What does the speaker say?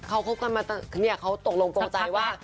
เขาคบกันมาตอนนี้เขาตกลงโปร่งใจว่า